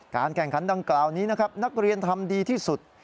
การแข่งขันดังกล่าวนี้นักเรียนทำดีที่สุด